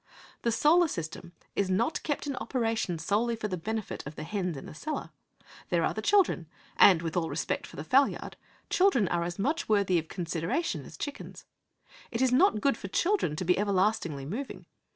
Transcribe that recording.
The solar system is not kept in operation solely for the benefit of the hens in the cellar. There are the children, and, with all respect for the fowl yard, children are as much worthy of consideration as chickens. It is not good for children to be everlastingly moving.